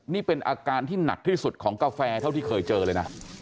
นี่เป็นอาการที่หนักที่สุดของกาแฟเท่าที่เคยเจอเลยนะ